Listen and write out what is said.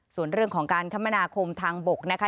ส่วนเรื่องของการคมนาคมทางบกนะคะ